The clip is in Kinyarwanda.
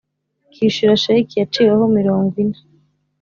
Kwishyura sheki yaciweho imirongo ine